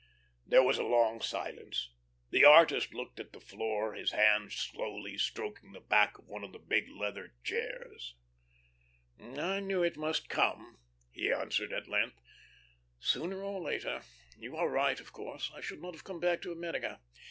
There was a long silence. The artist looked at the floor his hand slowly stroking the back of one of the big leather chairs. "I knew it must come," he answered, at length, "sooner or later. You are right of course. I should not have come back to America.